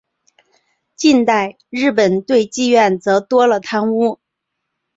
近代日本对妓院则多了汤屋。